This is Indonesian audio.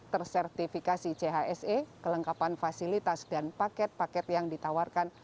tersertifikasi chse kelengkapan fasilitas dan paket paket yang ditawarkan